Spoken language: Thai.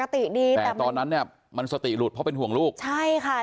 ดีแต่ตอนนั้นเนี่ยมันสติหลุดเพราะเป็นห่วงลูกใช่ค่ะ